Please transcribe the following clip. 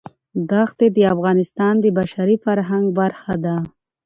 دښتې د افغانستان د بشري فرهنګ برخه ده.